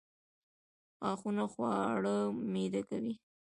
غاښونه خواړه میده کوي